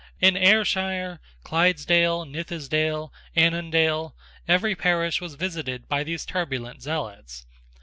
In Ayrshire, Clydesdale, Nithisdale, Annandale, every parish was visited by these turbulent zealots.